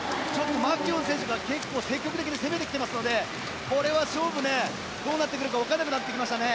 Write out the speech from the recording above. マキュオン選手が結構、積極的に攻めてきていますのでこれは勝負、どうなってくるかわからなくなってきましたね。